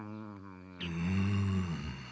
うん。